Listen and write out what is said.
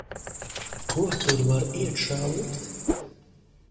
Ko tur var iekšā likt.